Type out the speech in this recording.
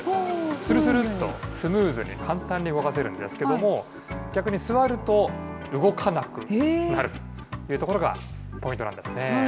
するするっと、スムーズに簡単に動かせるんですけども、逆に座ると動かなくなるというところがポイントなんですね。